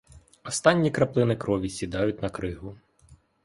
Останні краплини крові сідають на кригу.